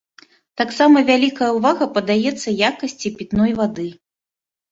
Таксама вялікая ўвага надаецца якасці пітной вады.